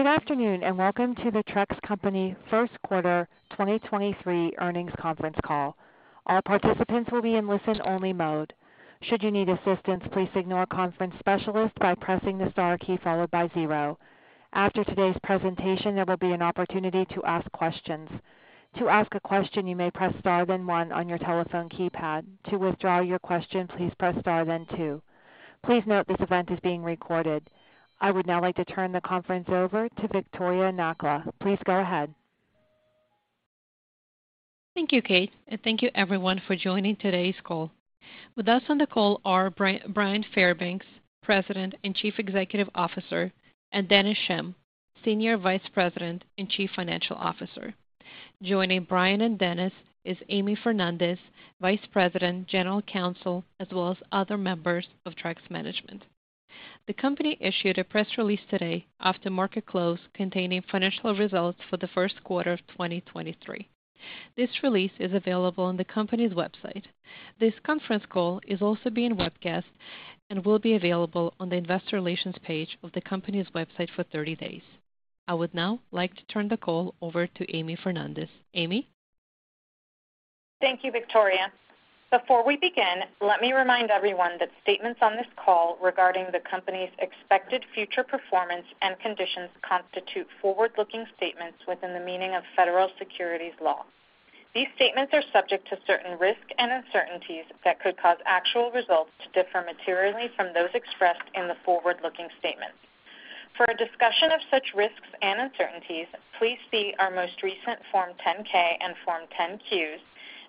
Good afternoon, welcome to the Trex Company first quarter 2023 earnings conference call. All participants will be in listen-only mode. Should you need assistance, please signal a conference specialist by pressing the star key followed by zero. After today's presentation, there will be an opportunity to ask questions. To ask a question, you may press star, then one on your telephone keypad. To withdraw your question, please press star, then two. Please note this event is being recorded. I would now like to turn the conference over to Viktoriia Nakhla. Please go ahead. Thank you, Kate, thank you everyone for joining today's call. With us on the call are Bryan Fairbanks, President and Chief Executive Officer, and Dennis Schemm, Senior Vice President and Chief Financial Officer. Joining Bryan and Dennis is Amy Fernandez, Vice President, General Counsel, as well as other members of Trex management. The company issued a press release today after market close containing financial results for the first quarter of 2023. This release is available on the company's website. This conference call is also being webcast and will be available on the investor relations page of the company's website for 30 days. I would now like to turn the call over to Amy Fernandez. Amy? Thank you, Victoria. Before we begin, let me remind everyone that statements on this call regarding the company's expected future performance and conditions constitute forward-looking statements within the meaning of federal securities law. These statements are subject to certain risks and uncertainties that could cause actual results to differ materially from those expressed in the forward-looking statements. For a discussion of such risks and uncertainties, please see our most recent Form 10-K and Form 10-Qs,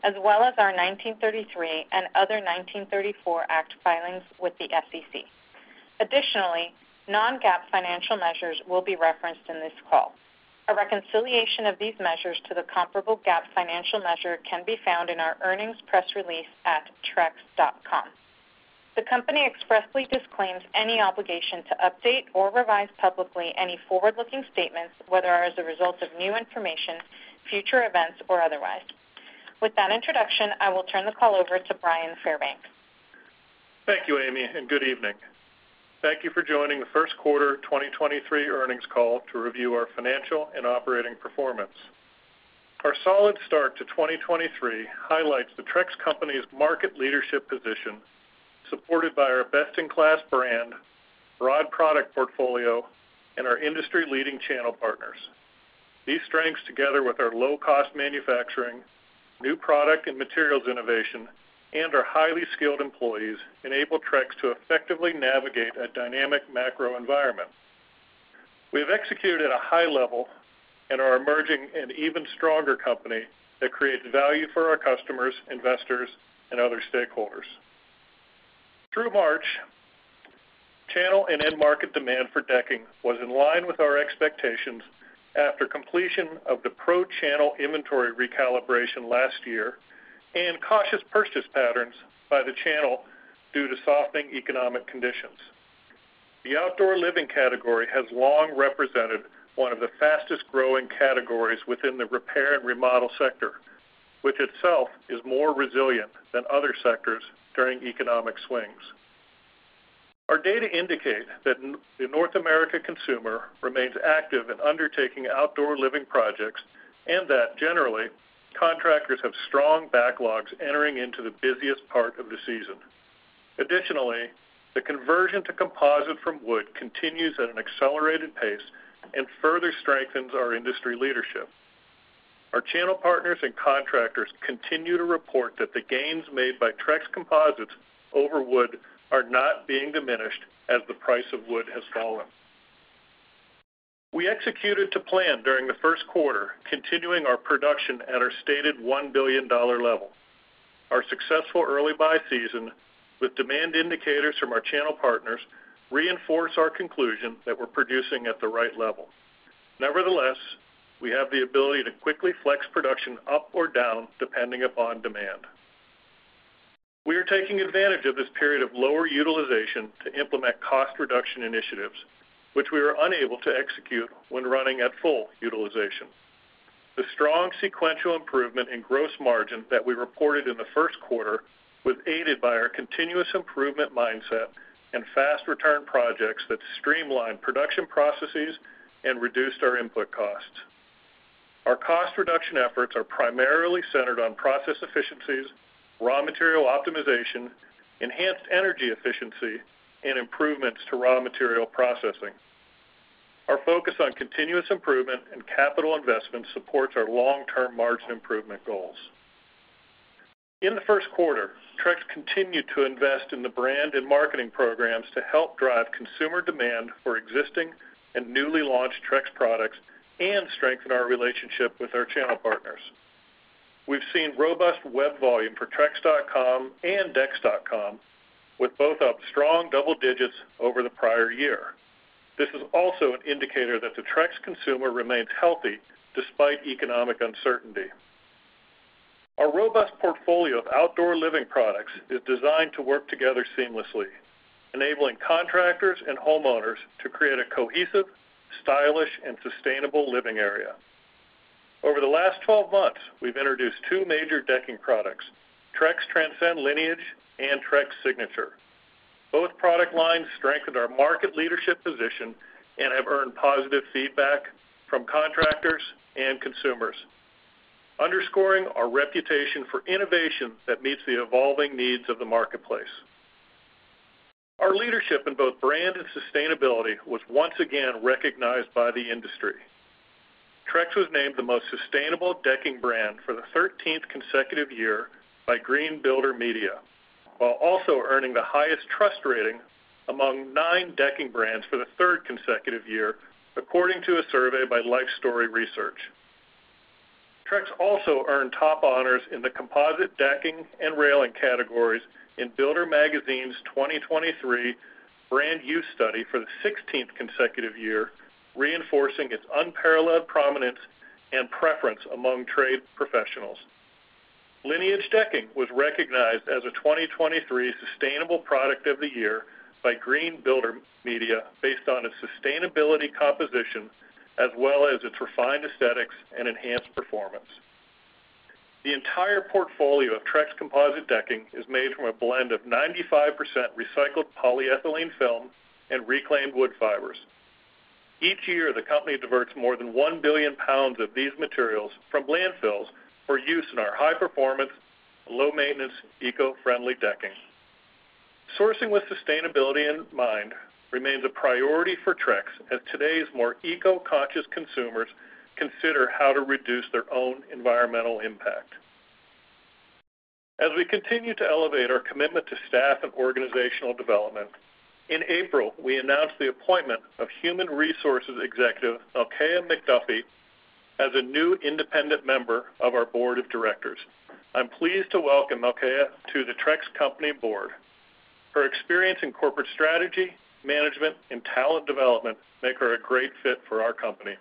as well as our 1933 and other 1934 Act filings with the SEC. Additionally, non-GAAP financial measures will be referenced in this call. A reconciliation of these measures to the comparable GAAP financial measure can be found in our earnings press release at trex.com. The company expressly disclaims any obligation to update or revise publicly any forward-looking statements, whether as a result of new information, future events, or otherwise. With that introduction, I will turn the call over to Bryan Fairbanks. Thank you, Amy, and good evening. Thank you for joining the 1st quarter 2023 earnings call to review our financial and operating performance. Our solid start to 2023 highlights the Trex Company's market leadership position, supported by our best-in-class brand, broad product portfolio, and our industry-leading channel partners. These strengths, together with our low-cost manufacturing, new product and materials innovation, and our highly skilled employees, enable Trex to effectively navigate a dynamic macro environment. We have executed at a high level and are emerging an even stronger company that creates value for our customers, investors, and other stakeholders. Through March, channel and end market demand for decking was in line with our expectations after completion of the pro-channel inventory recalibration last year and cautious purchase patterns by the channel due to softening economic conditions. The outdoor living category has long represented one of the fastest-growing categories within the repair and remodel sector, which itself is more resilient than other sectors during economic swings. Our data indicate that the North America consumer remains active in undertaking outdoor living projects and that, generally, contractors have strong backlogs entering into the busiest part of the season. Additionally, the conversion to composite from wood continues at an accelerated pace and further strengthens our industry leadership. Our channel partners and contractors continue to report that the gains made by Trex composites over wood are not being diminished as the price of wood has fallen. We executed to plan during the first quarter, continuing our production at our stated $1 billion level. Our successful early buy season with demand indicators from our channel partners reinforce our conclusion that we're producing at the right level. Nevertheless, we have the ability to quickly flex production up or down, depending upon demand. We are taking advantage of this period of lower utilization to implement cost reduction initiatives, which we were unable to execute when running at full utilization. The strong sequential improvement in gross margin that we reported in the first quarter was aided by our continuous improvement mindset and fast return projects that streamlined production processes and reduced our input costs. Our cost reduction efforts are primarily centered on process efficiencies, raw material optimization, enhanced energy efficiency, and improvements to raw material processing. Our focus on continuous improvement and capital investment supports our long-term margin improvement goals. In the first quarter, Trex continued to invest in the brand and marketing programs to help drive consumer demand for existing and newly launched Trex products and strengthen our relationship with our channel partners. We've seen robust web volume for Trex.com and Decks.com, with both up strong double digits over the prior year. This is also an indicator that the Trex consumer remains healthy despite economic uncertainty. Our robust portfolio of outdoor living products is designed to work together seamlessly, enabling contractors and homeowners to create a cohesive, stylish, and sustainable living area. Over the last 12 months, we've introduced two major decking products, Trex Transcend Lineage and Trex Signature. Both product lines strengthened our market leadership position and have earned positive feedback from contractors and consumers, underscoring our reputation for innovation that meets the evolving needs of the marketplace. Our leadership in both brand and sustainability was once again recognized by the industry. Trex was named the most sustainable decking brand for the thirteenth consecutive year by Green Builder Media, while also earning the highest trust rating among 9 decking brands for the third consecutive year, according to a survey by Lifestory Research. Trex also earned top honors in the composite decking and railing categories in Builder Magazine's 2023 brand use study for the sixteenth consecutive year, reinforcing its unparalleled prominence and preference among trade professionals. Lineage Decking was recognized as a 2023 sustainable product of the year by Green Builder Media based on its sustainability composition as well as its refined aesthetics and enhanced performance. The entire portfolio of Trex Composite Decking is made from a blend of 95% recycled polyethylene film and reclaimed wood fibers. Each year, the company diverts more than 1 billion pounds of these materials from landfills for use in our high-performance, low-maintenance, eco-friendly decking. Sourcing with sustainability in mind remains a priority for Trex as today's more eco-conscious consumers consider how to reduce their own environmental impact. As we continue to elevate our commitment to staff and organizational development, in April, we announced the appointment of Human Resources Executive, Malca McGuffee, as a new independent member of our board of directors. I'm pleased to Welcome to the Trex Company board. Her experience in corporate strategy, management, and talent development make her a great fit for our company.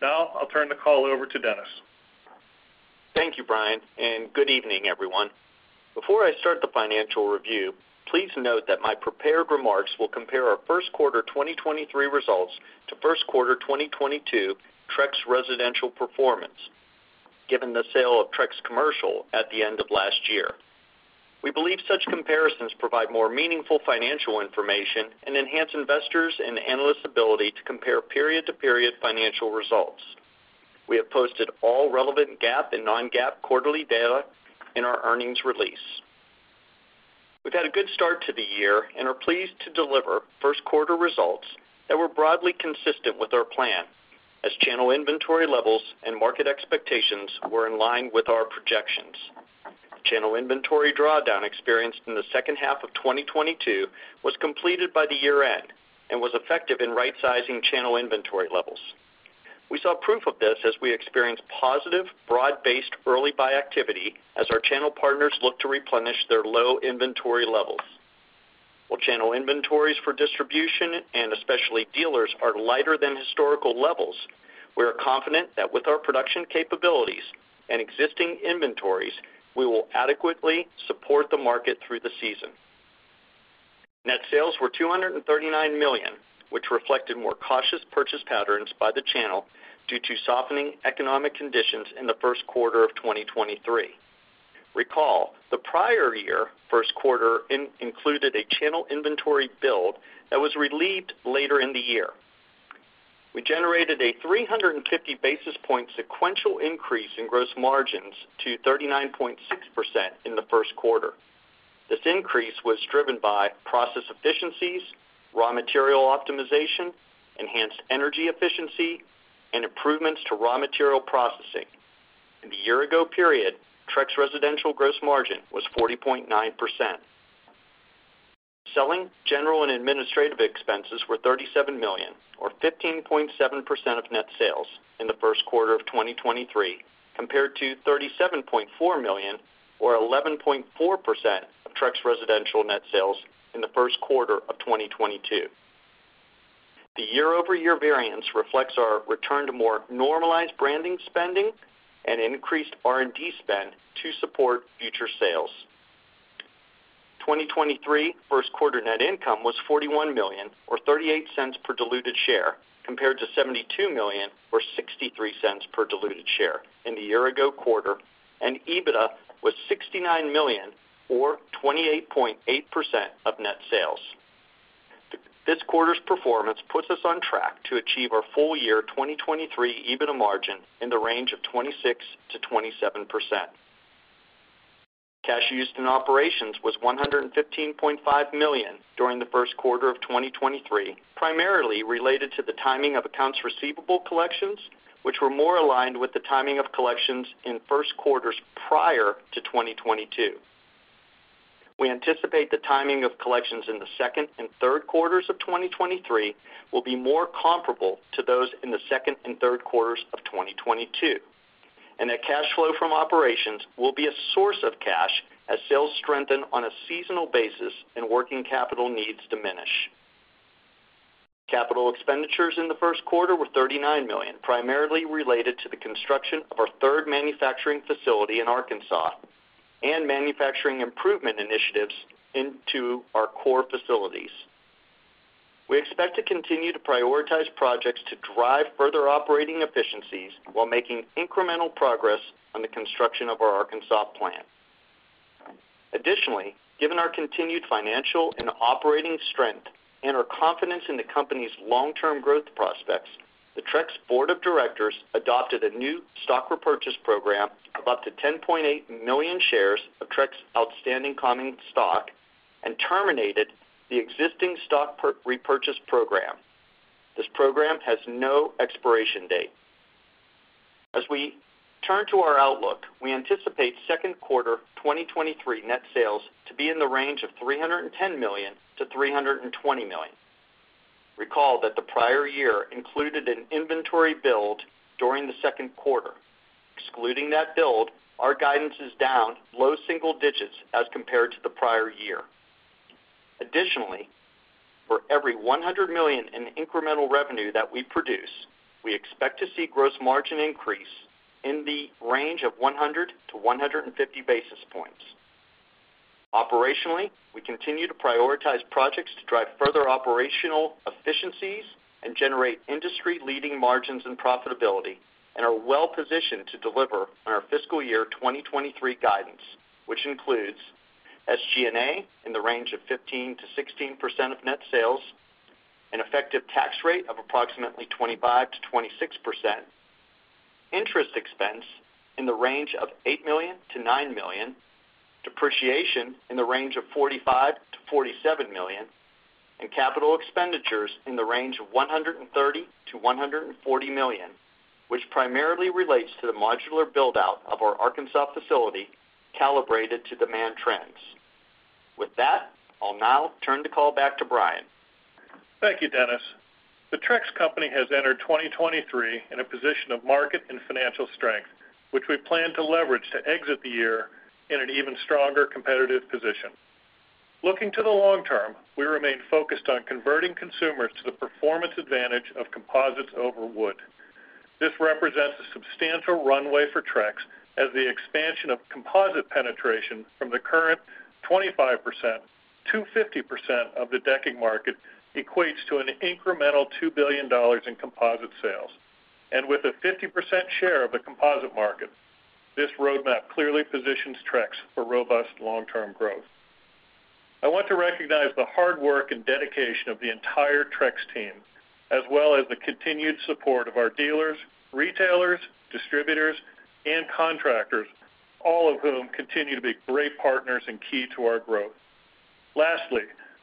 I'll turn the call over to Dennis. Thank you, Bryan. Good evening, everyone. Before I start the financial review, please note that my prepared remarks will compare our first quarter 2023 results to first quarter 2022 Trex residential performance, given the sale of Trex Commercial at the end of last year. We believe such comparisons provide more meaningful financial information and enhance investors and analysts ability to compare period-to-period financial results. We have posted all relevant GAAP and non-GAAP quarterly data in our earnings release. We've had a good start to the year and are pleased to deliver first quarter results that were broadly consistent with our plan as channel inventory levels and market expectations were in line with our projections. Channel inventory drawdown experienced in the second half of 2022 was completed by the year-end and was effective in rightsizing channel inventory levels. We saw proof of this as we experienced positive, broad-based early buy activity as our channel partners look to replenish their low inventory levels. While channel inventories for distribution, and especially dealers, are lighter than historical levels, we are confident that with our production capabilities and existing inventories, we will adequately support the market through the season. Net sales were $239 million, which reflected more cautious purchase patterns by the channel due to softening economic conditions in the first quarter of 2023. Recall, the prior year first quarter included a channel inventory build that was relieved later in the year. We generated a 350 basis point sequential increase in gross margins to 39.6% in the first quarter. This increase was driven by process efficiencies, raw material optimization, enhanced energy efficiency, and improvements to raw material processing. In the year ago period, Trex residential gross margin was 40.9%. Selling general and administrative expenses were $37 million or 15.7% of net sales in the first quarter of 2023, compared to $37.4 million or 11.4% of Trex residential net sales in the first quarter of 2022. The year-over-year variance reflects our return to more normalized branding spending and increased R&D spend to support future sales. 2023 first quarter net income was $41 million or $0.38 per diluted share, compared to $72 million or $0.63 per diluted share in the year ago quarter. EBITDA was $69 million or 28.8% of net sales. This quarter's performance puts us on track to achieve our full year 2023 EBITDA margin in the range of 26%-27%. Cash used in operations was $115.5 million during the first quarter of 2023, primarily related to the timing of accounts receivable collections, which were more aligned with the timing of collections in first quarters prior to 2022. We anticipate the timing of collections in the second and third quarters of 2023 will be more comparable to those in the second and third quarters of 2022, that cash flow from operations will be a source of cash as sales strengthen on a seasonal basis and working capital needs diminish. Capital expenditures in the first quarter were $39 million, primarily related to the construction of our third manufacturing facility in Arkansas and manufacturing improvement initiatives into our core facilities. We expect to continue to prioritize projects to drive further operating efficiencies while making incremental progress on the construction of our Arkansas plant. Given our continued financial and operating strength and our confidence in the company's long-term growth prospects, the Trex Board of Directors adopted a new stock repurchase program of up to 10.8 million shares of Trex outstanding common stock and terminated the existing stock repurchase program. This program has no expiration date. As we turn to our outlook, we anticipate second quarter 2023 net sales to be in the range of $310 million-$320 million. Recall that the prior year included an inventory build during the second quarter. Excluding that build, our guidance is down low single digits as compared to the prior year. For every $100 million in incremental revenue that we produce, we expect to see gross margin increase in the range of 100-150 basis points. Operationally, we continue to prioritize projects to drive further operational efficiencies and generate industry-leading margins and profitability and are well-positioned to deliver on our fiscal year 2023 guidance, which includes SG&A in the range of 15%-16% of net sales, an effective tax rate of approximately 25%-26%, interest expense in the range of $8 million-$9 million, depreciation in the range of $45 million-$47 million, and capital expenditures in the range of $130 million-$140 million, which primarily relates to the modular build out of our Arkansas facility calibrated to demand trends. With that, I'll now turn the call back to Bryan. Thank you, Dennis. The Trex Company has entered 2023 in a position of market and financial strength, which we plan to leverage to exit the year in an even stronger competitive position. Looking to the long term, we remain focused on converting consumers to the performance advantage of composites over wood. This represents a substantial runway for Trex as the expansion of composite penetration from the current 25% to 50% of the decking market equates to an incremental $2 billion in composite sales. With a 50% share of the composite market, this roadmap clearly positions Trex for robust long-term growth. I want to recognize the hard work and dedication of the entire Trex team, as well as the continued support of our dealers, retailers, distributors, and contractors, all of whom continue to be great partners and key to our growth. Lastly,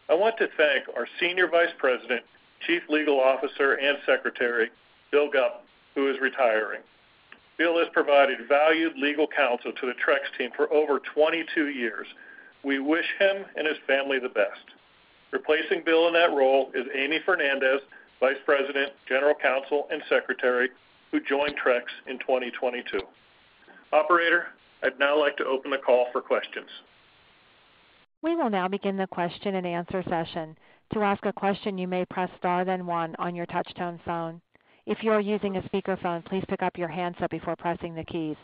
I want to thank our Senior Vice President, Chief Legal Officer, and Secretary, Bill Gutman, who is retiring. Bill has provided valued legal counsel to the Trex team for over 22 years. We wish him and his family the best. Replacing Bill in that role is Amy Fernandez, Vice President, General Counsel, and Secretary, who joined Trex in 2022. Operator, I'd now like to open the call for questions. We will now begin the question and answer session. To ask a question, you may press star then one on your touch-tone phone. If you are using a speakerphone, please pick up your handset before pressing the keys.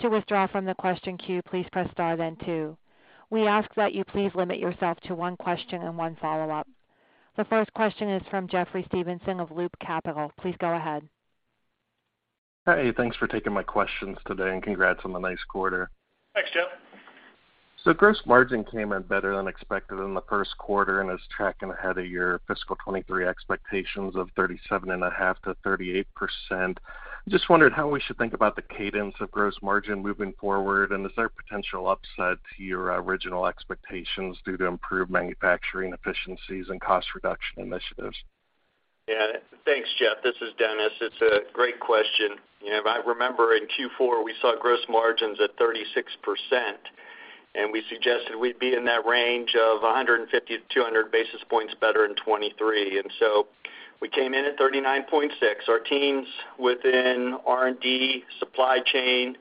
To withdraw from the question queue, please press star then two. We ask that you please limit yourself to one question and one follow-up. The first question is from Jeffrey Stevenson of Loop Capital. Please go ahead. Hi. Thanks for taking my questions today. Congrats on the nice quarter. Thanks, Jeff. Gross margin came in better than expected in the first quarter and is tracking ahead of your fiscal 2023 expectations of 37.5%-38%. Just wondered how we should think about the cadence of gross margin moving forward, and is there potential upside to your original expectations due to improved manufacturing efficiencies and cost reduction initiatives? Thanks, Jeff. This is Dennis. It's a great question. If I remember, in Q4, we saw gross margins at 36%, and we suggested we'd be in that range of 150-200 basis points better in 2023. We came in at 39.6%. Our teams within R&D, supply chain,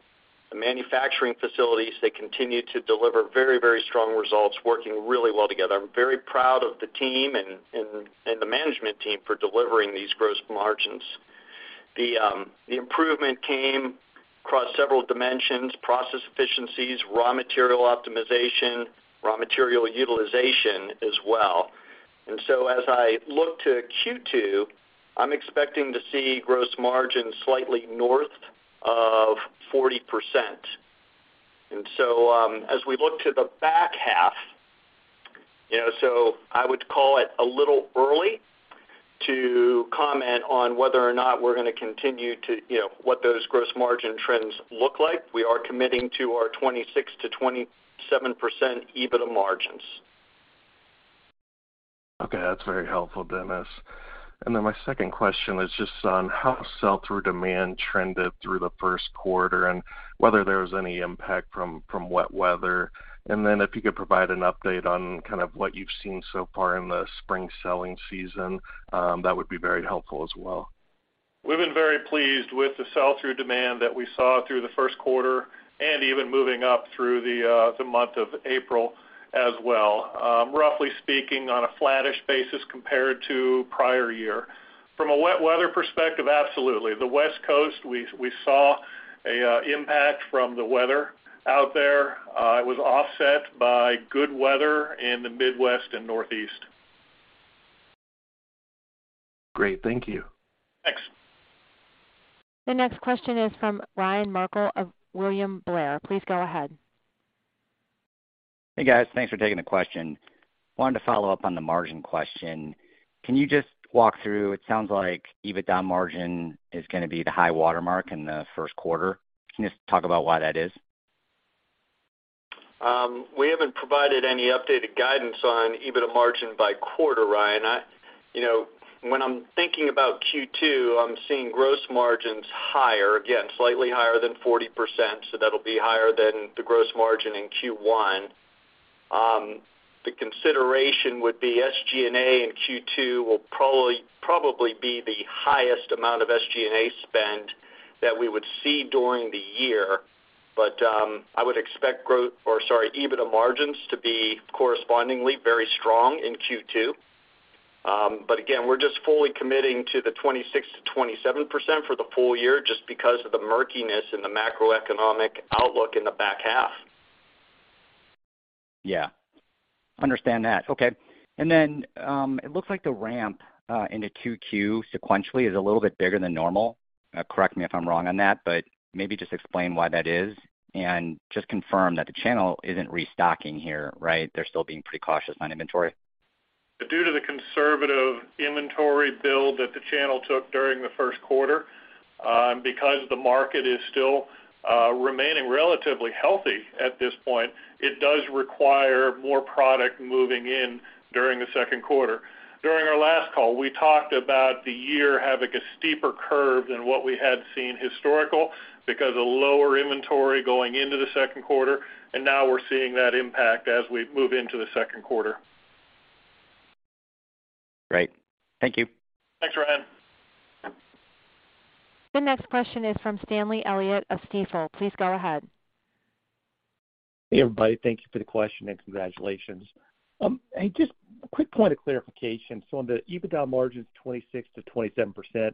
the manufacturing facilities, they continue to deliver very, very strong results, working really well together. I'm very proud of the team and the management team for delivering these gross margins. The improvement came across several dimensions, process efficiencies, raw material optimization, raw material utilization as well. As I look to Q2, I'm expecting to see gross margin slightly north of 40%. As we look to the back half, you know, so I would call it a little early to comment on whether or not we're going to continue to, you know, what those gross margin trends look like. We are committing to our 26% to 27% EBITDA margins. Okay, that's very helpful, Dennis. My second question is just on how sell-through demand trended through the first quarter and whether there was any impact from wet weather. If you could provide an update on kind of what you've seen so far in the spring selling season, that would be very helpful as well. We've been very pleased with the sell-through demand that we saw through the first quarter and even moving up through the month of April as well. Roughly speaking on a flattish basis compared to prior year. From a wet weather perspective, absolutely. The West Coast, we saw a impact from the weather out there. It was offset by good weather in the Midwest and Northeast. Great. Thank you. Thanks. The next question is from Ryan Merkel of William Blair. Please go ahead. Hey, guys. Thanks for taking the question. Wanted to follow up on the margin question. Can you just walk through, it sounds like EBITDA margin is gonna be the high water mark in the first quarter? Can you just talk about why that is? We haven't provided any updated guidance on EBITDA margin by quarter, Ryan. You know, when I'm thinking about Q2, I'm seeing gross margins higher, again, slightly higher than 40%, so that'll be higher than the gross margin in Q1. The consideration would be SG&A in Q2 will probably be the highest amount of SG&A spend that we would see during the year. I would expect or sorry, EBITDA margins to be correspondingly very strong in Q2. Again, we're just fully committing to the 26%-27% for the full year just because of the murkiness in the macroeconomic outlook in the back half. Yeah. Understand that. Okay. It looks like the ramp into Q2 sequentially is a little bit bigger than normal. Correct me if I'm wrong on that, but maybe just explain why that is, and just confirm that the channel isn't restocking here, right? They're still being pretty cautious on inventory. Due to the conservative inventory build that the channel took during the first quarter, because the market is still remaining relatively healthy at this point, it does require more product moving in during the second quarter. During our last call, we talked about the year having a steeper curve than what we had seen historical because of lower inventory going into the second quarter, and now we're seeing that impact as we move into the second quarter. Great. Thank you. Thanks, Ryan. The next question is from Stanley Elliott of Stifel. Please go ahead. Hey, everybody. Thank you for the question. Congratulations. Just a quick point of clarification. On the EBITDA margins, 26%-27%,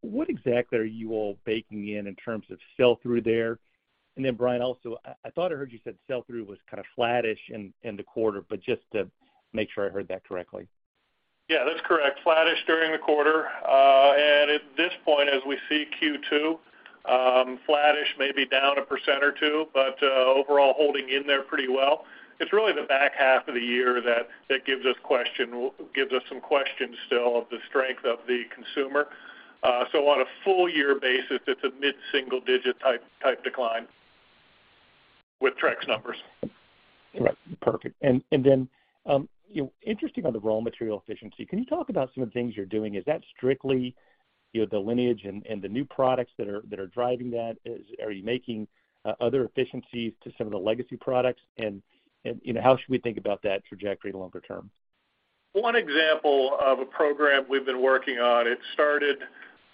what exactly are you all baking in in terms of sell-through there? Bryan, also, I thought I heard you said sell-through was kind of flattish in the quarter, just to make sure I heard that correctly. Yeah. That's correct. Flattish during the quarter. At this point, as we see Q2, flattish maybe down 1% or 2%, overall holding in there pretty well. It's really the back half of the year that gives us some questions still of the strength of the consumer. On a full year basis, it's a mid-single-digit type decline with Trex numbers. Right. Perfect. Then, you know, interesting on the raw material efficiency. Can you talk about some of the things you're doing? Is that strictly, you know, the Lineage and the new products that are driving that? Are you making other efficiencies to some of the legacy products? You know, how should we think about that trajectory longer term? One example of a program we've been working on, it started,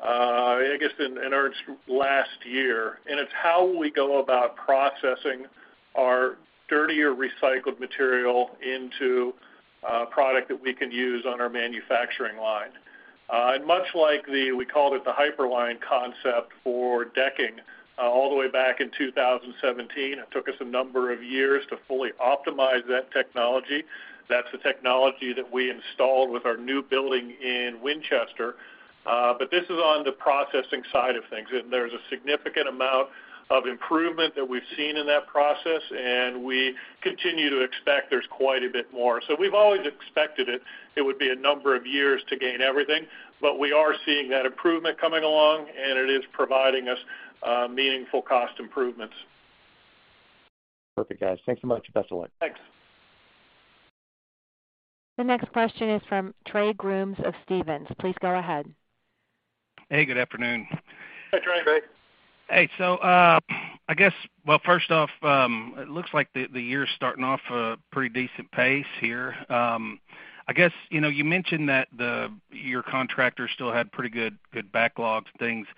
I guess in our last year, and it's how we go about processing our dirtier recycled material into a product that we can use on our manufacturing line. Much like the, we called it the hyperline concept for decking, all the way back in 2017. It took us a number of years to fully optimize that technology. That's the technology that we installed with our new building in Winchester. This is on the processing side of things. There's a significant amount of improvement that we've seen in that process, and we continue to expect there's quite a bit more. We've always expected it. It would be a number of years to gain everything. We are seeing that improvement coming along. It is providing us meaningful cost improvements. Perfect, guys. Thanks so much. Best of luck. Thanks. The next question is from Trey Grooms of Stephens. Please go ahead. Hey, good afternoon. Hey, Trey. Hey. Hey. I guess, well, first off, it looks like the year's starting off a pretty decent pace here. I guess, you know, you mentioned that your contractors still had pretty good backlogs and things,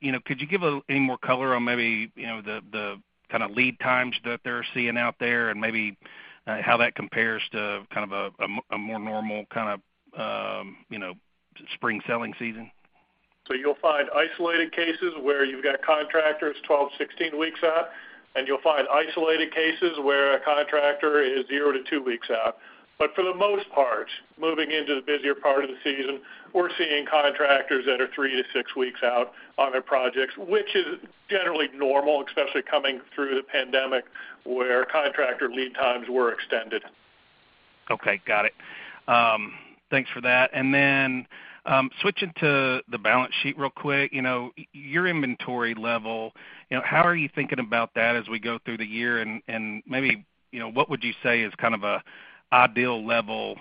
you know, could you give any more color on maybe, you know, the kind of lead times that they're seeing out there and maybe how that compares to kind of a more normal kind of, you know, spring selling season? You'll find isolated cases where you've got contractors 12, 16 weeks out, and you'll find isolated cases where a contractor is 0 to 2 weeks out. For the most part, moving into the busier part of the season, we're seeing contractors that are 3 to 6 weeks out on their projects, which is generally normal, especially coming through the pandemic where contractor lead times were extended. Okay. Got it. Thanks for that. Switching to the balance sheet real quick. You know, your inventory level, you know, how are you thinking about that as we go through the year? Maybe, you know, what would you say is kind of a ideal level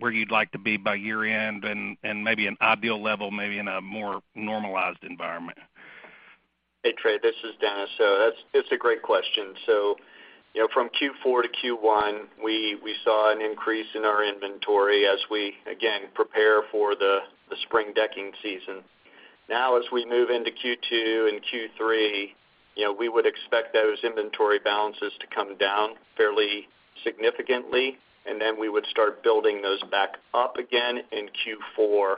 where you'd like to be by year-end and maybe an ideal level maybe in a more normalized environment? Hey, Trey. This is Dennis. That's a great question. You know, from Q4 to Q1, we saw an increase in our inventory as we again prepare for the spring decking season. Now, as we move into Q2 and Q3, you know, we would expect those inventory balances to come down fairly significantly, and then we would start building those back up again in Q4.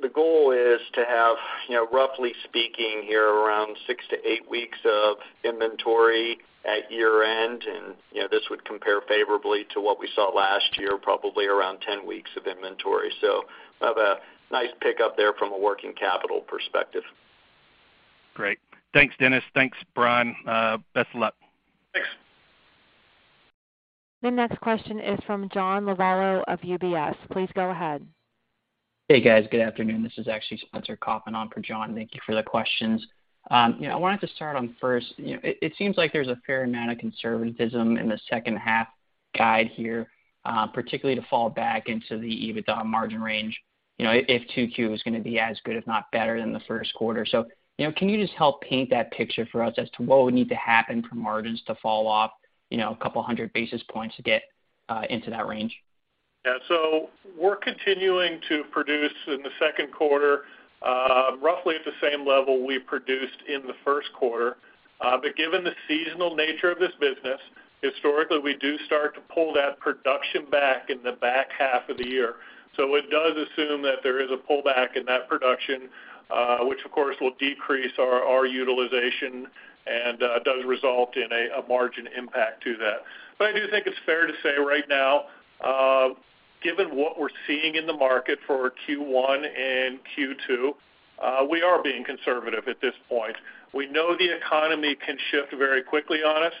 The goal is to have, you know, roughly speaking here, around 6-8 weeks of inventory at year-end, and, you know, this would compare favorably to what we saw last year, probably around 10 weeks of inventory. We'll have a nice pickup there from a working capital perspective. Great. Thanks, Dennis. Thanks, Brian. Best of luck. Thanks. The next question is from John Lovallo of UBS. Please go ahead. Hey, guys. Good afternoon. This is actually Spencer Kaufman on for John. Thank you for the questions. You know, I wanted to start on first, you know, it seems like there's a fair amount of conservatism in the second-half guide here, particularly to fall back into the EBITDA margin range, you know, if 2Q is gonna be as good, if not better than the first quarter. You know, can you just help paint that picture for us as to what would need to happen for margins to fall off, you know, a couple hundred basis points to get into that range? Yeah. We're continuing to produce in the second quarter, roughly at the same level we produced in the first quarter. Given the seasonal nature of this business, historically, we do start to pull that production back in the back half of the year. It does assume that there is a pullback in that production, which of course will decrease our utilization and does result in a margin impact to that. I do think it's fair to say right now, given what we're seeing in the market for Q1 and Q2, we are being conservative at this point. We know the economy can shift very quickly on us.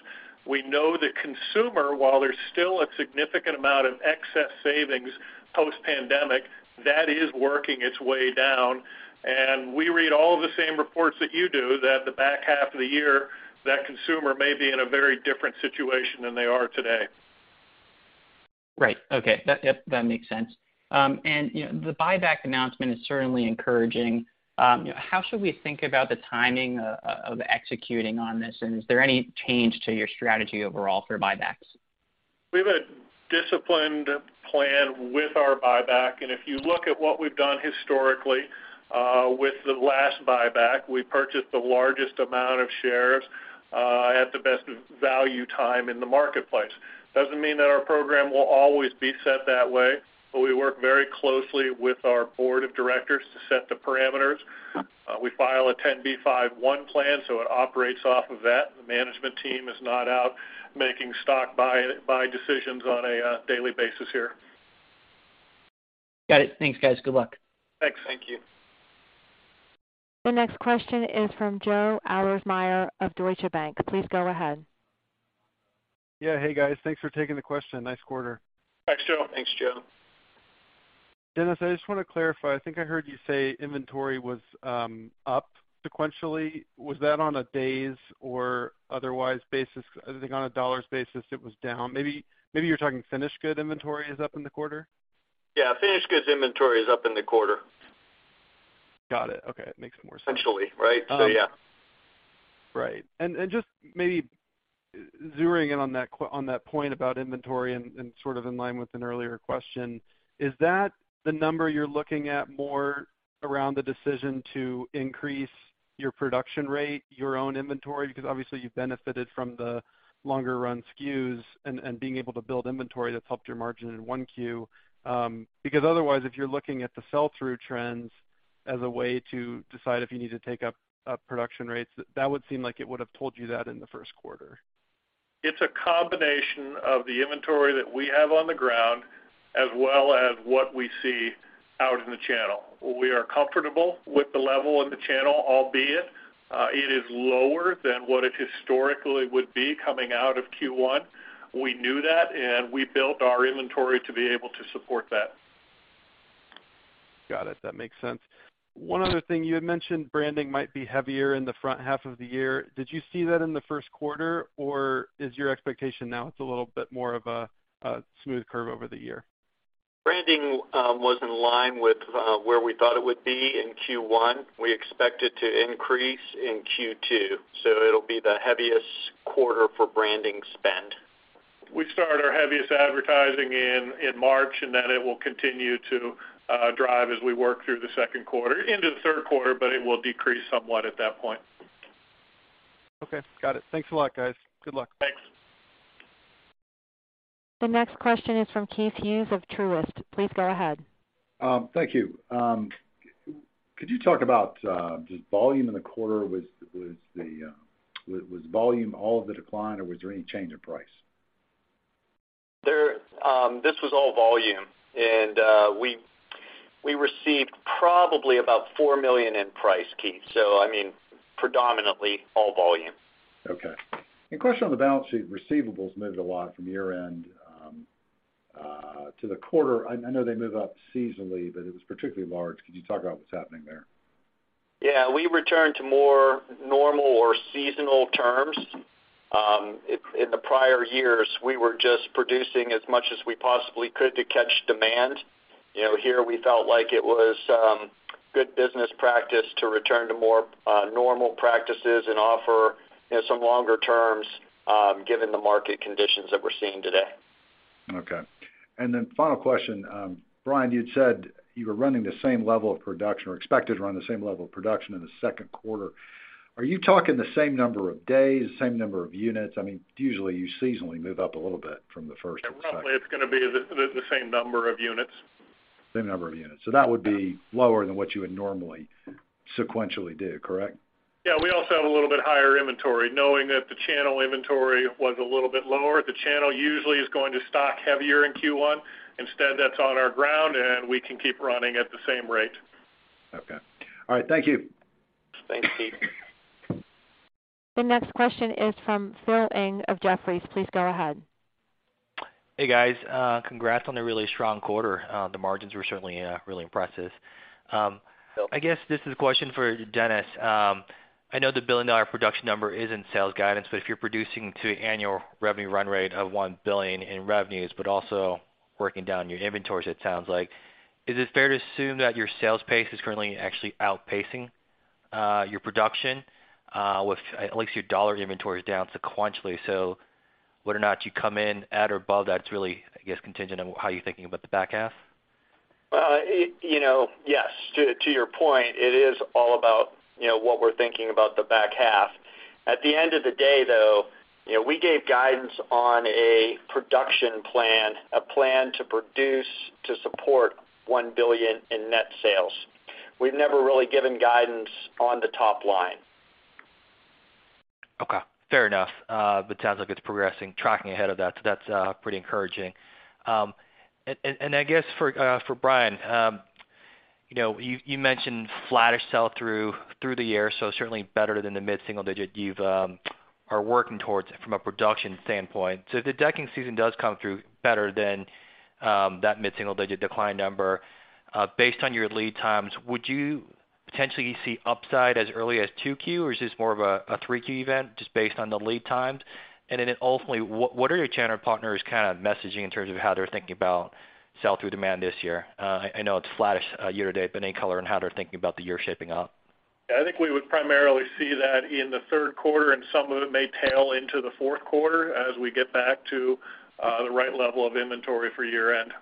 We know the consumer, while there's still a significant amount of excess savings post-pandemic, that is working its way down. We read all the same reports that you do, that the back half of the year, that consumer may be in a very different situation than they are today. Right. Okay. Yep, that makes sense. you know, the buyback announcement is certainly encouraging. How should we think about the timing of executing on this? Is there any change to your strategy overall for buybacks? We have a disciplined plan with our buyback. If you look at what we've done historically, with the last buyback, we purchased the largest amount of shares at the best value time in the marketplace. Doesn't mean that our program will always be set that way. We work very closely with our board of directors to set the parameters. We file a 10b5-1 plan. It operates off of that. The management team is not out making stock buy decisions on a daily basis here. Got it. Thanks, guys. Good luck. Thanks. Thank you. The next question is from Joe Ahlersmeyer of Deutsche Bank. Please go ahead. Yeah. Hey, guys. Thanks for taking the question. Nice quarter. Thanks, Joe. Thanks, Joe. Dennis, I just wanna clarify. I think I heard you say inventory was up sequentially. Was that on a days or otherwise basis? I think on a $ basis, it was down. Maybe you're talking finished goods inventory is up in the quarter? Yeah, finished goods inventory is up in the quarter. Got it. Okay, it makes more sense. Essentially, right? Yeah. Right. Just maybe zeroing in on that point about inventory, sort of in line with an earlier question, is that the number you're looking at more around the decision to increase your production rate, your own inventory? Obviously you've benefited from the longer run SKUs, being able to build inventory that's helped your margin in 1Q. Otherwise, if you're looking at the sell-through trends as a way to decide if you need to take up production rates, that would seem like it would have told you that in the first quarter. It's a combination of the inventory that we have on the ground as well as what we see out in the channel. We are comfortable with the level in the channel, albeit, it is lower than what it historically would be coming out of Q1. We knew that, and we built our inventory to be able to support that. Got it. That makes sense. One other thing, you had mentioned branding might be heavier in the front half of the year. Did you see that in the first quarter, or is your expectation now it's a little bit more of a smooth curve over the year? Branding, was in line with, where we thought it would be in Q1. We expect it to increase in Q2. It'll be the heaviest quarter for branding spend. We start our heaviest advertising in March, and then it will continue to drive as we work through the second quarter into the third quarter, but it will decrease somewhat at that point. Okay. Got it. Thanks a lot, guys. Good luck. Thanks. The next question is from Keith Hughes of Truist. Please go ahead. Thank you. Could you talk about, just volume in the quarter? Was volume all of the decline, or was there any change in price? There, this was all volume. We received probably about $4 million in price, Keith. I mean predominantly all volume. Okay. A question on the balance sheet. Receivables moved a lot from year-end to the quarter. I know they move up seasonally, but it was particularly large. Could you talk about what's happening there? Yeah. We returned to more normal or seasonal terms. In the prior years, we were just producing as much as we possibly could to catch demand. You know, here we felt like it was good business practice to return to more normal practices and offer, you know, some longer terms, given the market conditions that we're seeing today. Okay. Final question. Bryan, you'd said you were running the same level of production or expected to run the same level of production in the second quarter. Are you talking the same number of days, same number of units? I mean, usually you seasonally move up a little bit from the first to the second. Yeah, roughly it's gonna be the same number of units. Same number of units. That would be lower than what you would normally sequentially do, correct? We also have a little bit higher inventory, knowing that the channel inventory was a little bit lower. The channel usually is going to stock heavier in Q1. Instead, that's on our ground, and we can keep running at the same rate. Okay. All right, thank you. Thanks, Steve. The next question is from Phil Ng of Jefferies. Please go ahead. Hey, guys. congrats on the really strong quarter. The margins were certainly, really impressive. I guess this is a question for Dennis. I know the billion-dollar production number is in sales guidance, but if you're producing to annual revenue run rate of $1 billion in revenues, but also working down your inventories, it sounds like, is it fair to assume that your sales pace is currently actually outpacing your production, with at least your dollar inventory is down sequentially? Whether or not you come in at or above that is really, I guess, contingent on how you're thinking about the back half? Well, it, you know, yes. To your point, it is all about, you know, what we're thinking about the back half. At the end of the day, though, you know, we gave guidance on a production plan, a plan to produce to support $1 billion in net sales. We've never really given guidance on the top line. Okay. Fair enough. It sounds like it's progressing, tracking ahead of that, so that's pretty encouraging. I guess for Bryan, you know, you mentioned flattish sell-through through the year, so certainly better than the mid-single digit you've, are working towards from a production standpoint. If the decking season does come through better than that mid-single digit decline number, based on your lead times, would you potentially see upside as early as 2Q, or is this more of a 3Q event just based on the lead times? Ultimately, what are your channel partners kind of messaging in terms of how they're thinking about sell-through demand this year? I know it's flattish year-to-date, but any color on how they're thinking about the year shaping up? Yeah. I think we would primarily see that in the third quarter, and some of it may tail into the fourth quarter as we get back to the right level of inventory for year-end.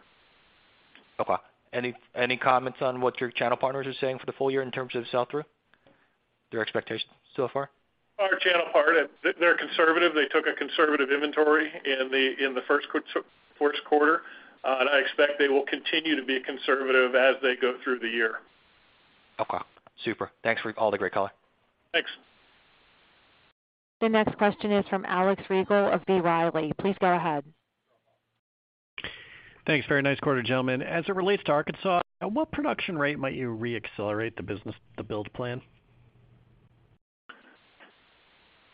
Any comments on what your channel partners are saying for the full year in terms of sell-through? Their expectations so far? Our channel part, they're conservative. They took a conservative inventory in the first quarter. I expect they will continue to be conservative as they go through the year. Okay. Super. Thanks for all the great color. Thanks. The next question is from Alex Rygiel of B. Riley. Please go ahead. Thanks. Very nice quarter, gentlemen. As it relates to Arkansas, at what production rate might you reaccelerate the business, the build plan?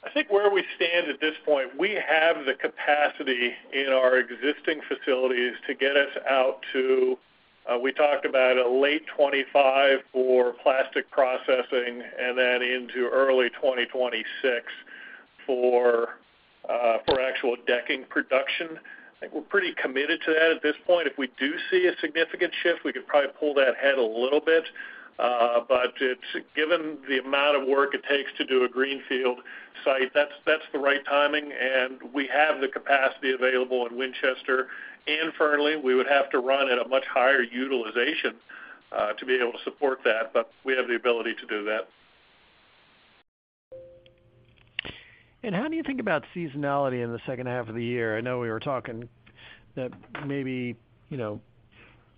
I think where we stand at this point, we have the capacity in our existing facilities to get us out to, we talked about a late 25 for plastic processing and then into early 2026 for actual decking production. I think we're pretty committed to that at this point. If we do see a significant shift, we could probably pull that ahead a little bit. Given the amount of work it takes to do a greenfield site, that's the right timing, and we have the capacity available in Winchester. In Fernley, we would have to run at a much higher utilization to be able to support that, but we have the ability to do that. How do you think about seasonality in the second half of the year? I know we were talking that maybe, you know,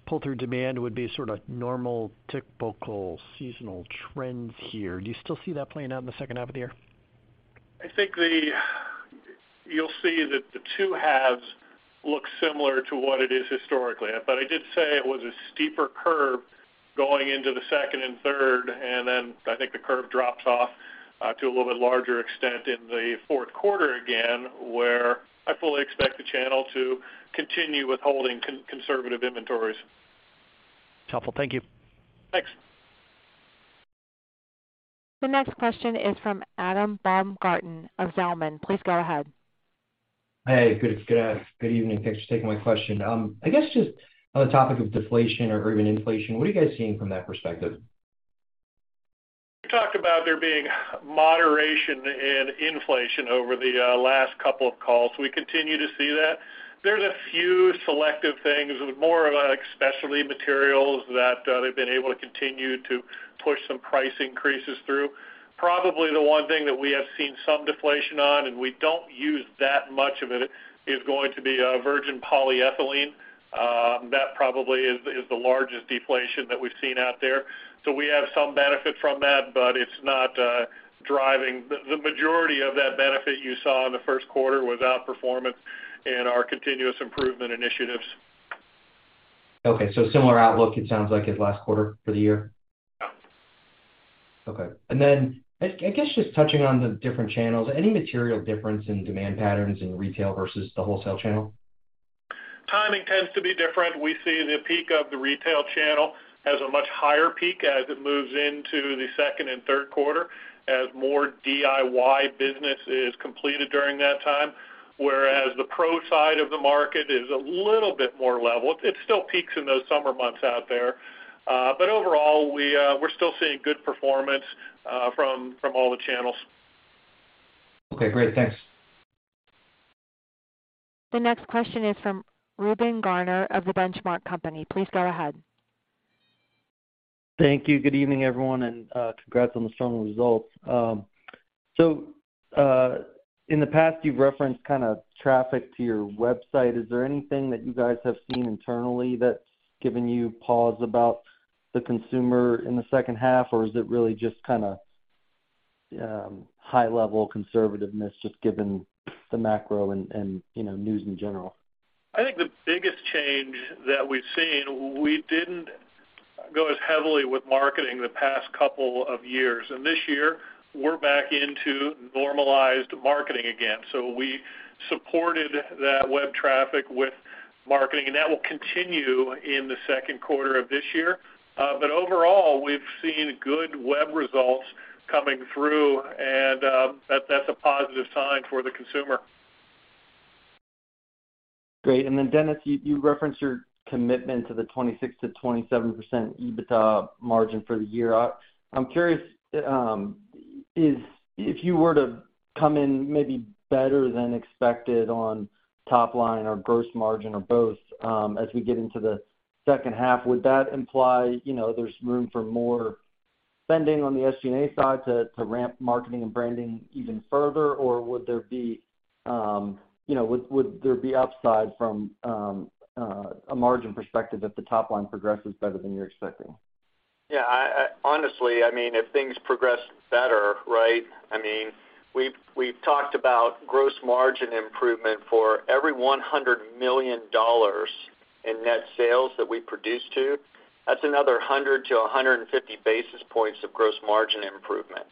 pull-through demand would be sort of normal, typical seasonal trends here. Do you still see that playing out in the second half of the year? I think You'll see that the 2 halves look similar to what it is historically. I did say it was a steeper curve going into the second and third, and then I think the curve drops off to a little bit larger extent in the fourth quarter again, where I fully expect the channel to continue with holding conservative inventories. It's helpful. Thank you. Thanks. The next question is from Adam Baumgarten of Zelman. Please go ahead. Hey, good evening. Thanks for taking my question. I guess just on the topic of deflation or even inflation, what are you guys seeing from that perspective? We talked about there being moderation in inflation over the last couple of calls. We continue to see that. There's a few selective things, more of specialty materials that they've been able to continue to push some price increases through. Probably the one thing that we have seen some deflation on, and we don't use that much of it, is going to be virgin polyethylene. That probably is the largest deflation that we've seen out there. We have some benefit from that, but it's not driving. The majority of that benefit you saw in the first quarter was outperformance in our continuous improvement initiatives. Okay. Similar outlook, it sounds like at last quarter for the year? Yeah. Okay. I guess just touching on the different channels, any material difference in demand patterns in retail versus the wholesale channel? Timing tends to be different. We see the peak of the retail channel has a much higher peak as it moves into the second and third quarter as more DIY business is completed during that time, whereas the pro side of the market is a little bit more level. It still peaks in those summer months out there. Overall, we're still seeing good performance from all the channels. Okay, great. Thanks. The next question is from Reuben Garner of The Benchmark Company. Please go ahead. Thank you. Good evening, everyone, and congrats on the strong results. In the past, you've referenced kinda traffic to your website. Is there anything that you guys have seen internally that's given you pause about the consumer in the second half? Is it really just kinda high level conservativeness just given the macro and, you know, news in general? I think the biggest change that we've seen, we didn't go as heavily with marketing the past couple of years. This year, we're back into normalized marketing again. We supported that web traffic with marketing, and that will continue in the second quarter of this year. Overall, we've seen good web results coming through, and that's a positive sign for the consumer. Great. Dennis, you referenced your commitment to the 26%-27% EBITDA margin for the year. I'm curious, if you were to come in maybe better than expected on top line or gross margin or both, as we get into the second half, would that imply, you know, there's room for more spending on the SG&A side to ramp marketing and branding even further? Or would there be, you know, would there be upside from a margin perspective if the top line progresses better than you're expecting? I honestly, I mean, if things progress better, right, I mean, we've talked about gross margin improvement for every $100 million in net sales that we produce to, that's another 100 to 150 basis points of gross margin improvement.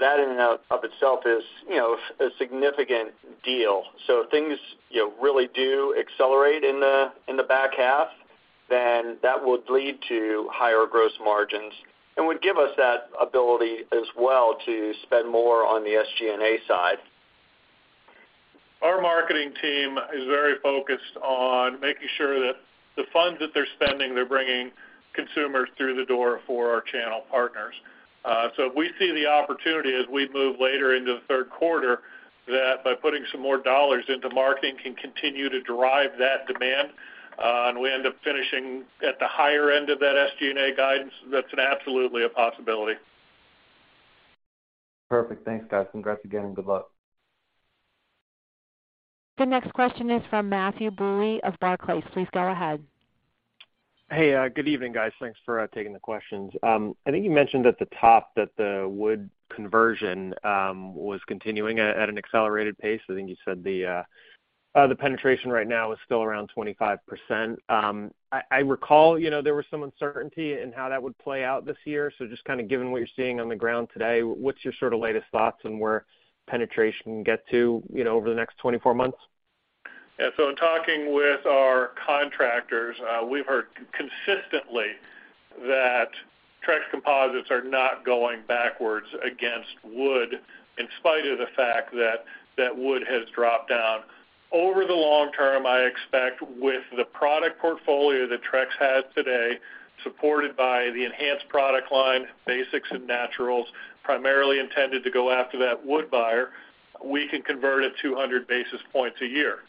That in and of itself is, you know, a significant deal. If things, you know, really do accelerate in the back half, then that would lead to higher gross margins and would give us that ability as well to spend more on the SG&A side. Our marketing team is very focused on making sure that the funds that they're spending, they're bringing consumers through the door for our channel partners. If we see the opportunity as we move later into the 3rd quarter, that by putting some more $ into marketing can continue to drive that demand, and we end up finishing at the higher end of that SG&A guidance, that's an absolutely a possibility. Perfect. Thanks, guys. Congrats again and good luck. The next question is from Matthew Bouley of Barclays. Please go ahead. Hey, good evening, guys. Thanks for taking the questions. I think you mentioned at the top that the wood conversion was continuing at an accelerated pace. I think you said the penetration right now is still around 25%. I recall, you know, there was some uncertainty in how that would play out this year. Just kinda given what you're seeing on the ground today, what's your sort of latest thoughts on where penetration can get to, you know, over the next 24 months? In talking with our contractors, we've heard consistently that Trex composites are not going backwards against wood in spite of the fact that wood has dropped down. Over the long term, I expect with the product portfolio that Trex has today, supported by the Enhance product line, Basics and Naturals, primarily intended to go after that wood buyer, we can convert at 200 basis points a year.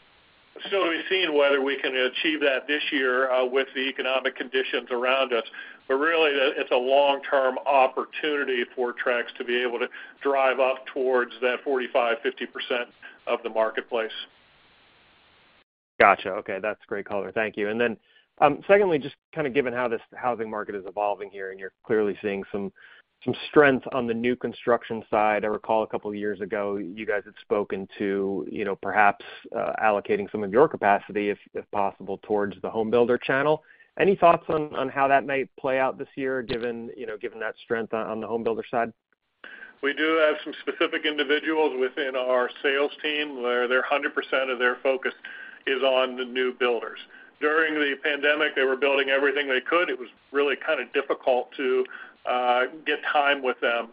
We've seen whether we can achieve that this year, with the economic conditions around us. Really, it's a long-term opportunity for Trex to be able to drive up towards that 45-50% of the marketplace. Gotcha. Okay. That's a great color. Thank you. Secondly, just kind of given how this housing market is evolving here, and you're clearly seeing some strength on the new construction side. I recall a couple years ago, you guys had spoken to, you know, perhaps, allocating some of your capacity, if possible, towards the home builder channel. Any thoughts on how that might play out this year given that strength on the home builder side? We do have some specific individuals within our sales team where they're 100% of their focus is on the new builders. During the pandemic, they were building everything they could. It was really kinda difficult to get time with them.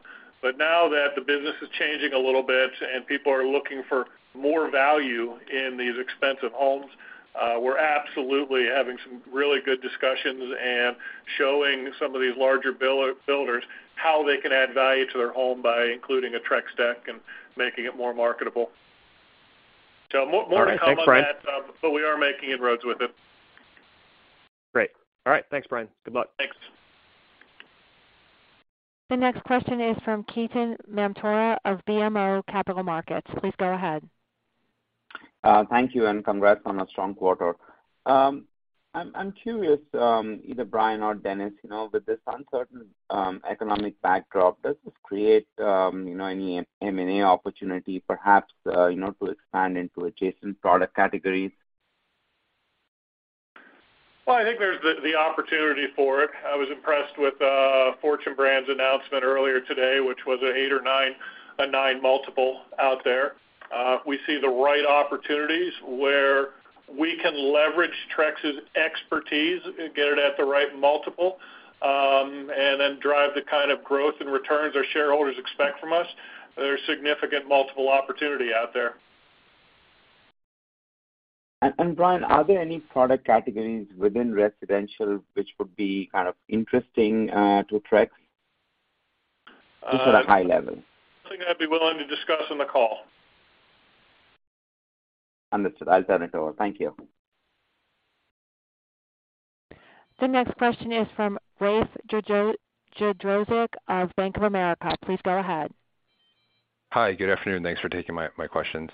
Now that the business is changing a little bit and people are looking for more value in these expensive homes, we're absolutely having some really good discussions and showing some of these larger builders how they can add value to their home by including a Trex deck and making it more marketable. More to come. All right. Thanks, Bryan... on that, we are making inroads with it. Great. All right. Thanks, Brian. Good luck. Thanks. The next question is from Ketan Mamtora of BMO Capital Markets. Please go ahead. Thank you, and congrats on a strong quarter. I'm curious, either Brian or Dennis, you know, with this uncertain economic backdrop, does this create, you know, any M&A opportunity perhaps, you know, to expand into adjacent product categories? Well, I think there's the opportunity for it. I was impressed with Fortune Brands' announcement earlier today, which was an 8 or 9, a 9 multiple out there. If we see the right opportunities where we can leverage Trex's expertise, get it at the right multiple, and then drive the kind of growth and returns our shareholders expect from us, there's significant multiple opportunity out there. Bryan, are there any product categories within residential which would be kind of interesting to Trex? Just at a high level. Something I'd be willing to discuss on the call. Understood. I'll turn it over. Thank you. The next question is from Rafe Jadrosich of Bank of America. Please go ahead. Hi, good afternoon. Thanks for taking my questions.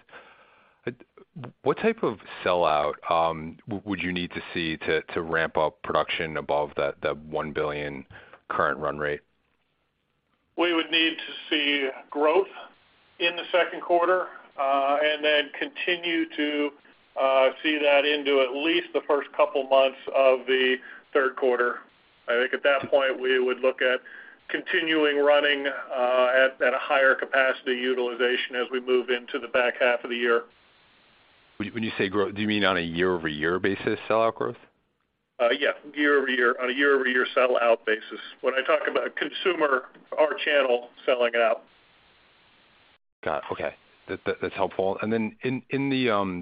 What type of sell-out would you need to see to ramp up production above that $1 billion current run rate? We would need to see growth in the second quarter, and then continue to see that into at least the first couple months of the third quarter. I think at that point, we would look at continuing running at a higher capacity utilization as we move into the back half of the year. When you say grow, do you mean on a year-over-year basis sell-out growth? Yeah, year-over-year. On a year-over-year sell-out basis. When I talk about consumer, our channel selling out. Got it. Okay. That's helpful. Then in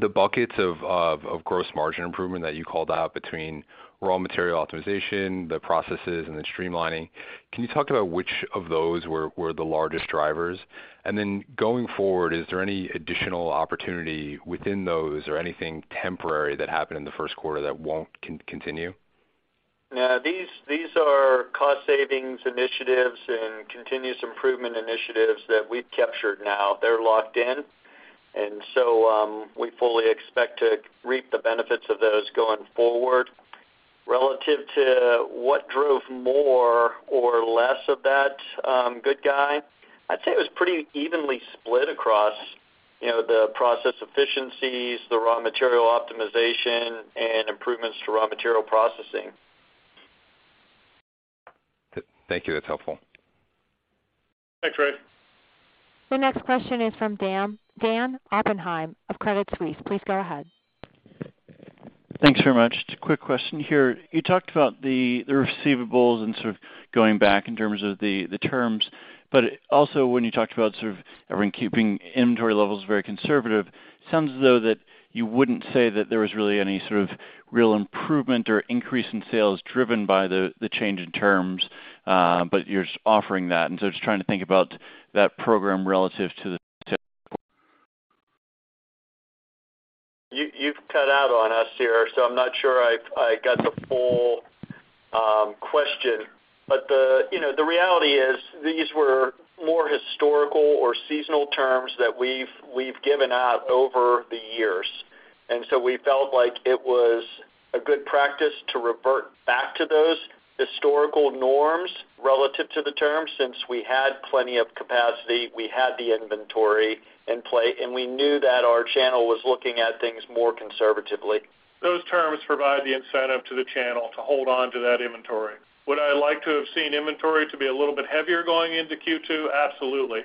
the buckets of gross margin improvement that you called out between raw material optimization, the processes, and the streamlining, can you talk about which of those were the largest drivers? Then going forward, is any additional opportunity within those or anything temporary that happened in the first quarter that won't continue? No, these are cost savings initiatives and continuous improvement initiatives that we've captured now. They're locked in. We fully expect to reap the benefits of those going forward. Relative to what drove more or less of that good guy, I'd say it was pretty evenly split across, you know, the process efficiencies, the raw material optimization, and improvements to raw material processing. Thank you. That's helpful. Thanks, Rafe. The next question is from Dan Oppenheim of Credit Suisse. Please go ahead. Thanks very much. Quick question here. You talked about the receivables and sort of going back in terms of the terms, but also when you talked about sort of keeping inventory levels very conservative, it sounds as though that you wouldn't say that there was really any sort of real improvement or increase in sales driven by the change in terms, but you're just offering that. Just trying to think about that program relative to the. You've cut out on us here. I'm not sure I got the full question. The, you know, the reality is these were more historical or seasonal terms that we've given out over the years. We felt like it was a good practice to revert back to those historical norms relative to the terms since we had plenty of capacity, we had the inventory in play, and we knew that our channel was looking at things more conservatively. Those terms provide the incentive to the channel to hold on to that inventory. Would I like to have seen inventory to be a little bit heavier going into Q2? Absolutely.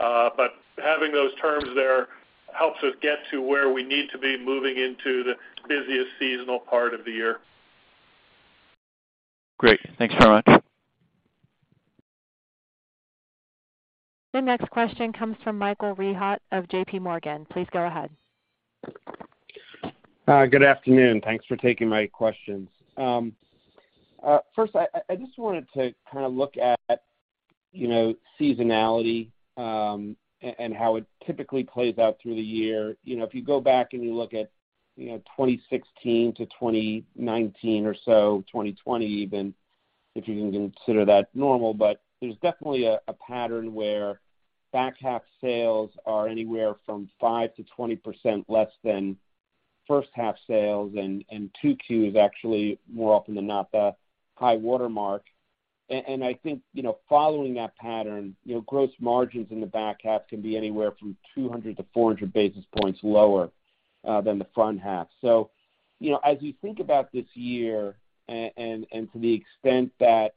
Having those terms there helps us get to where we need to be moving into the busiest seasonal part of the year. Great. Thanks very much. The next question comes from Michael Rehaut of J.P. Morgan. Please go ahead. Good afternoon. Thanks for taking my questions. First, I just wanted to kind of look at, you know, seasonality, and how it typically plays out through the year. You know, if you go back and you look at, you know, 2016 to 2019 or so, 2020 even, if you can consider that normal, but there's definitely a pattern where back half sales are anywhere from 5%-20% less than first half sales, and 2Q is actually more often than not the high watermark. I think, you know, following that pattern, you know, gross margins in the back half can be anywhere from 200-400 basis points lower than the front half. You know, as you think about this year and to the extent that,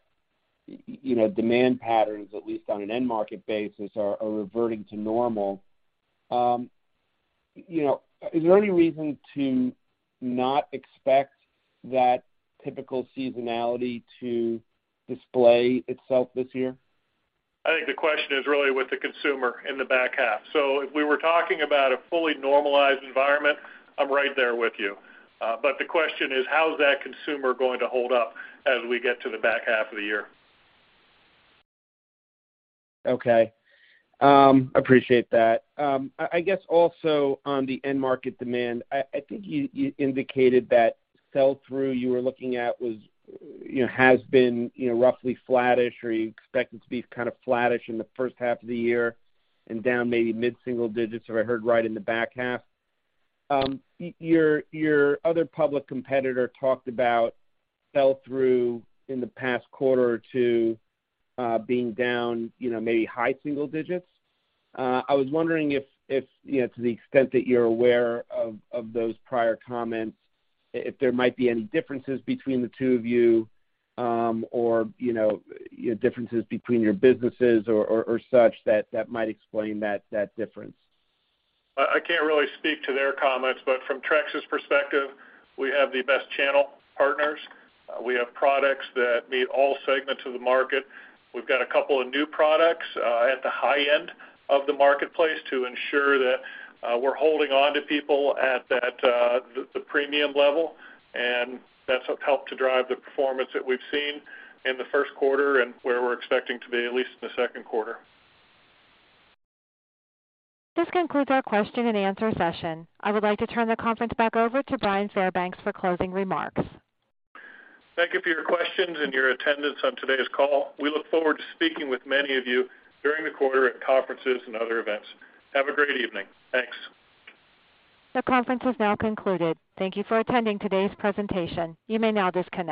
you know, demand patterns, at least on an end market basis, are reverting to normal, you know, is there any reason to not expect that typical seasonality to display itself this year? I think the question is really with the consumer in the back half. If we were talking about a fully normalized environment, I'm right there with you. The question is, how is that consumer going to hold up as we get to the back half of the year? Appreciate that. I guess also on the end market demand, I think you indicated that sell-through you were looking at was, you know, has been, you know, roughly flattish or you expect it to be kind of flattish in the first half of the year and down maybe mid-single digits, if I heard right in the back half. Your other public competitor talked about sell-through in the past quarter to being down, you know, maybe high single digits. I was wondering if, you know, to the extent that you're aware of those prior comments, if there might be any differences between the two of you, or, you know, differences between your businesses or such that might explain that difference? I can't really speak to their comments. From Trex's perspective, we have the best channel partners. We have products that meet all segments of the market. We've got a couple of new products at the high end of the marketplace to ensure that we're holding on to people at that, the premium level. That's what helped to drive the performance that we've seen in the first quarter and where we're expecting to be, at least in the second quarter. This concludes our question and answer session. I would like to turn the conference back over to Bryan Fairbanks for closing remarks. Thank you for your questions and your attendance on today's call. We look forward to speaking with many of you during the quarter at conferences and other events. Have a great evening. Thanks. The conference has now concluded. Thank you for attending today's presentation. You may now disconnect.